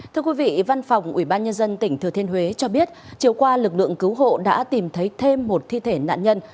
thưa quý vị văn phòng ubnd tỉnh thừa thiên huế cho biết chiều qua lực lượng cứu hộ đã tìm thấy thêm một thi thể nạn nhân